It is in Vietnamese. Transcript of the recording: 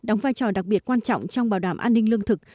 đóng vai trò đặc biệt quan trọng trong bảo đảm an ninh lương thực